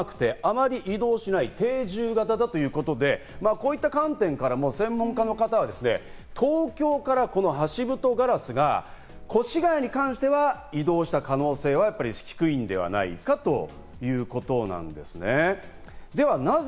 で、こちらを見ますと、ハシボソガラスというのは行動範囲が狭くてあまり移動しない定住型だということで、こういった観点からも専門家の方は東京からこのハシブトガラスが越谷に関しては移動した可能性は低いんではないかということなんですね。